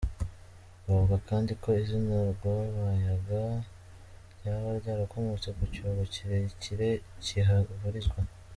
Bavuga kandi ko izina ‘Rwabayanga’ ryaba ryarakomotse ku cyobo kirekire kihabarizwa.